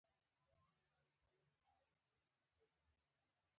ددې پرځای چې ګوز دې تر مکعده ووځي اوږو ته راختلی.